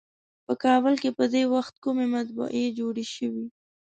په کابل کې په دې وخت کومې مطبعې جوړې شوې.